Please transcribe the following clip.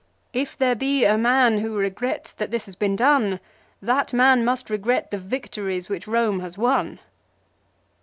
If there be a man who regrets that this has been done, that man must regret the victories which Rome has won."